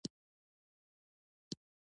د کرکټ جام ډېر ارزښت لري.